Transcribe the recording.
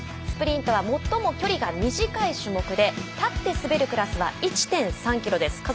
スプリントは最も距離が短い種目で立って滑るクラスは１．３ｋｍです。